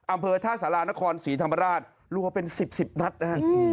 อำเภอท่าสารานครศรีธรรมราชรวมเป็น๑๐๑๐นัดนะฮะ